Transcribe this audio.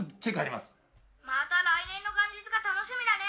「また来年の元日が楽しみだね」。